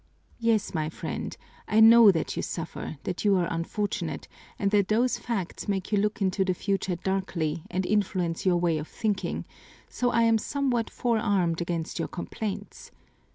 "Yes, my friend, I know that you suffer, that you are unfortunate, and that those facts make you look into the future darkly and influence your way of thinking, so I am somewhat forearmed against your complaints.